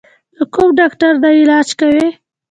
د کوم ډاکټر نه علاج کوې؟